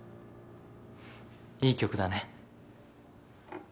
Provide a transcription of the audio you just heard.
いい曲だね。